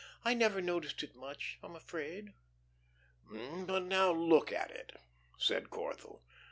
I never noticed it much, I'm afraid." "But now look at it," said Corthell.